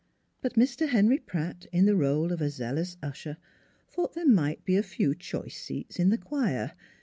But Mr. Henry Pratt, in the role of a zealous usher, thought there might be a few choice seats in the choir.